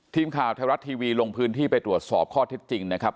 ทีมข่าวไทยรัฐทีวีลงพื้นที่ไปตรวจสอบข้อเท็จจริงนะครับ